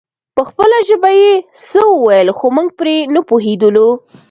په خپله ژبه يې څه ويل خو موږ پرې نه پوهېدلو.